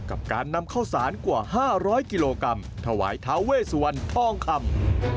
กับการนำข้าวสารกว่า๕๐๐กิโลกรัมถวายท้าเวสวันทองคำ